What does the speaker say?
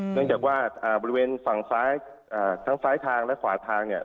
เนื่องจากว่าบริเวณฝั่งซ้ายทั้งซ้ายทางและขวาทางเนี่ย